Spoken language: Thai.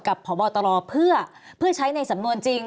กับผ่อเบาตะลอเพื่อใช้ในสำนวนจริง